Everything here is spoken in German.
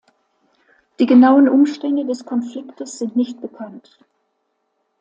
Die genauen Umstände des Konfliktes sind nicht bekannt.